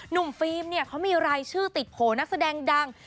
ฟิล์มเนี่ยเขามีรายชื่อติดโผล่นักแสดงดัง